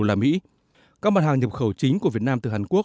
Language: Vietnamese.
các mặt hàng nhập khẩu chính của việt nam từ hàn quốc